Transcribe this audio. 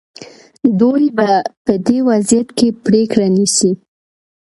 دوی به په دې وضعیت کې پرېکړه نیسي.